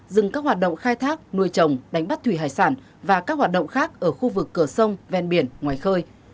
dừng các hoạt động khai thác nuôi trồng đánh bắt thủy hải sản và các hoạt động khác ở khu vực cửa sông ven biển ngoài khơi